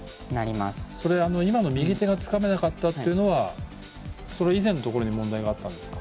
今の右手がつかめなかったっていうのはそれ以前のところに問題があったんですか？